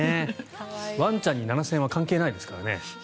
ワンちゃんに７０００円は関係ないですからね。